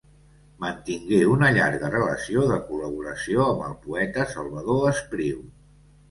Mantingué una llarga relació de col·laboració amb el poeta Salvador Espriu.